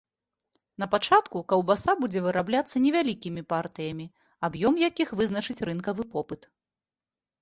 Напачатку каўбаса будзе вырабляцца невялікімі партыямі, аб'ём якіх вызначыць рынкавы попыт.